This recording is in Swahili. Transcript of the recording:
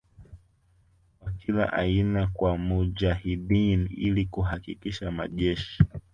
wa kila aina kwa Mujahideen ili kuhakikisha majeshi